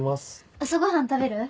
朝ごはん食べる？